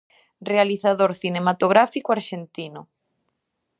Realizador cinematográfico arxentino.